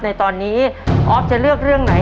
ในตอนนี้ออฟจะเลือกเรื่องไหน